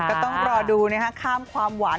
ก็ต้องรอดูนะคะข้ามความหวาน